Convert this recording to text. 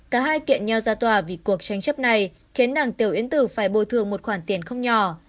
cả hai kiện nhau ra tòa vì cuộc tranh chấp này khiến đảng tiểu yên tử phải bồi thường một khoản tiền không nhỏ